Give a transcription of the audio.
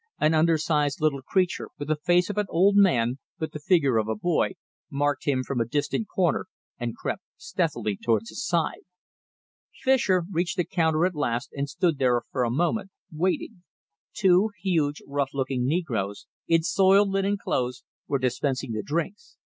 An undersized little creature, with the face of an old man but the figure of a boy, marked him from a distant corner and crept stealthily towards his side. Fischer reached the counter at last and stood there for a moment, waiting. Two huge, rough looking negroes, in soiled linen clothes, were dispensing the drinks.